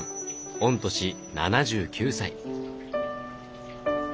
御年７９歳。